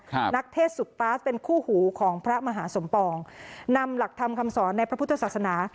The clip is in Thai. นักเทศสุกปาสเป็นคู่หูของพระมหาสมปองนำหลักธรรมคำสอนในพระพุทธศาสนา